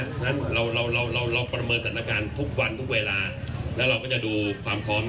ฉะนั้นเราเราประเมินสถานการณ์ทุกวันทุกเวลาแล้วเราก็จะดูความพร้อม